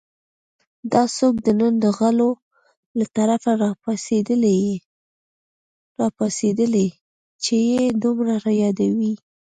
دا څوک نن د غولو له طرفه راپاڅېدلي چې یې دومره یادوي